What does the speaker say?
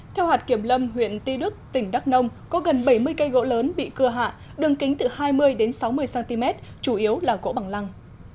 theo hạt kiểm lâm huyện tuy đức tỉnh đắk nông có gần bảy mươi cây gỗ lớn bị cưa hạ đường kính từ hai mươi sáu mươi cm chủ yếu là gỗ bằng lăng